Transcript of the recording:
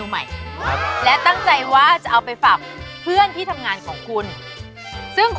อุ๊ยทำไมอ่ะอันนี้มันไม่อร่อยเหรอ